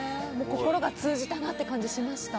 心が通じたなって感じしました？